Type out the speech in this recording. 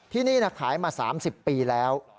ที่นี่ขายมา๓๐ปีแล้ว